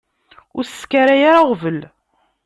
Ur as-skaray ara aɣbel.